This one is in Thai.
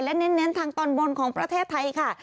และเน้นทางตอนบนของประเทศไทยค่ะ